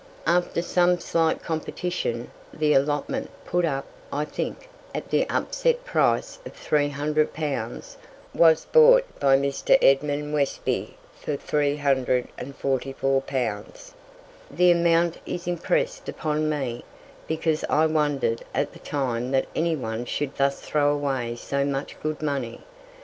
After some slight competition, the allotment, put up, I think, at the upset price of 300 pounds, was bought by Mr. Edmund Westby for 344 pounds. The amount is impressed upon me, because I wondered at the time that anyone should thus throw away so much good money.